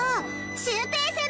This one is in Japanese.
シュウペイ先輩！